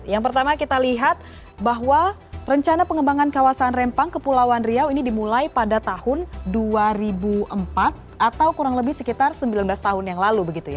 yang pertama kita lihat bahwa rencana pengembangan kawasan rempang kepulauan riau ini dimulai pada tahun dua ribu empat atau kurang lebih sekitar sembilan belas tahun yang lalu